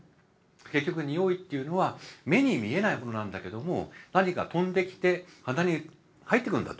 結局匂いっていうのは目に見えないものなんだけども何か飛んできて鼻に入ってくるんだと。